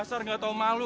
basar tidak tahu malu